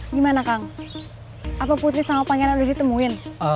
gimana kang apa putri sama pangeran udah ditemuin